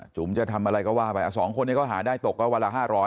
จุ๋มจะทำอะไรก็ว่าไป๒คนนี้ก็หาได้ตกก็วันละ๕๐๐